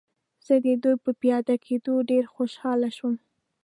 زه د دوی په پیاده کېدو ډېر خوشحاله شوم.